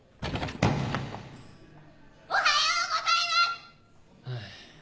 おはようございます‼はぁ。